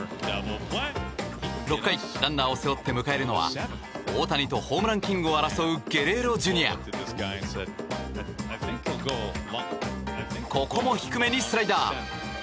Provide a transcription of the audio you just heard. ６回、ランナーを背負って迎えるのは大谷とホームランキングを争うゲレーロＪｒ．ここも低めにスライダー。